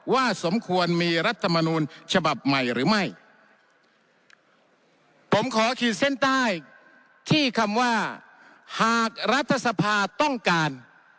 สมควรมีรัฐมนูลฉบับใหม่หรือไม่ผมขอขีดเส้นใต้ที่คำว่าหากรัฐสภาต้องการ